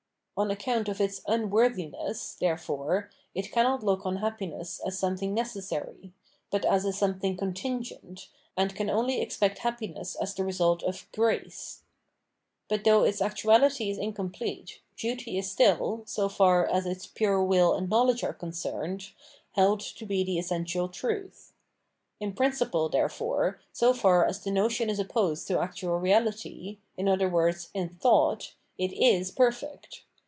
On account of its " unworthiness," therefore, it cannot look on happiness as something necessary, but as a something contingent, and can only expect happi ness as the result of " grace." But thougl^ its actuality is incomplete, duty is still, so 620 Phenomenology of Mind far as its pure will and knowledge are concerned, helc to be the essential truth. In principle, therefore, so fai as the notion is opposed to actual reality, in othei words, in thmgU, it is perfect.